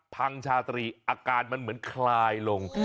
ชาตรีอาการมันเหมือนคลายลง